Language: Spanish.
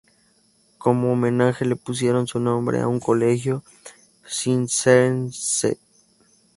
Como homenaje le pusieron su nombre a un colegio circense.